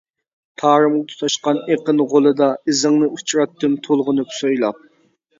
تارىمغا تۇتاشقان ئېقىن غولىدا ئىزىڭنى ئۇچراتتىم تولغىنىپ سويلاپ.